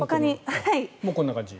もうこんな感じ？